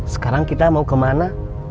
sekarang kita mau kemana